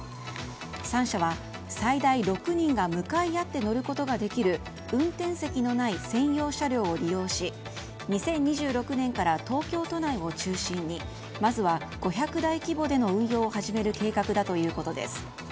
３社は最大６人が向かい合って乗ることができる運転席のない専用車両を利用し２０２６年から東京都内を中心にまずは５００台規模での運用を始める計画だということです。